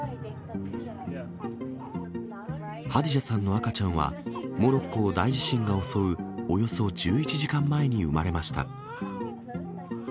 ハディジャさんの赤ちゃんは、モロッコを大地震が襲う、およそ１１時間前に産まれました。